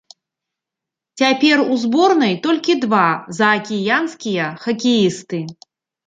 Цяпер у зборнай толькі два заакіянскія хакеісты.